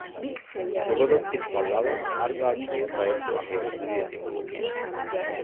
ზოგადად სიტყვა „ლავაშს“ არ გააჩნია საერთო აღიარებული ეტიმოლოგია.